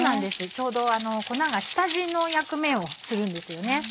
ちょうど粉が下地の役目をするんですよね。